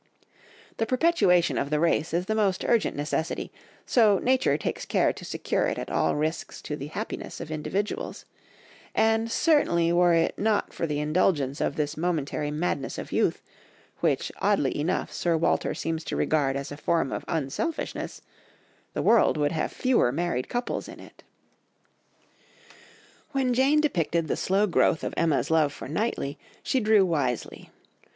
The perpetuation of the race is the most urgent necessity, so nature takes care to secure it at all risks to the happiness of individuals; and certainly were it not for the indulgence of this momentary madness of youth, which oddly enough Sir Walter seems to regard as a form of unselfishness, the world would have fewer married couples in it. When Jane depicted the slow growth of Emma's love for Knightley, she drew wisely.